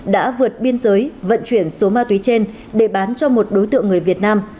đã vượt biên giới vận chuyển số ma túy trên để bán cho một đối tượng người việt nam